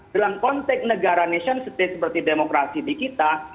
dalam konteks negara nation state seperti demokrasi di kita